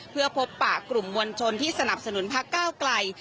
เพื่อพบปะกลุ่มมวลชนที่สนับสนุนพักก้าวไกล